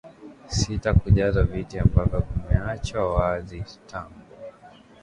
sita kujaza viti ambavyo vimeachwa wazi tangu